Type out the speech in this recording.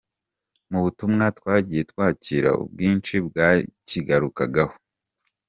Mu butumwa twagiye twakira ubwinshi bwakigarukagaho.